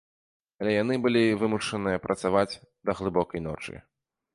Але яны былі вымушаныя працаваць да глыбокай ночы.